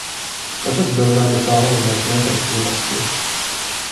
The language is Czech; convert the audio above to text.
Tato dílna dosáhla značné proslulosti.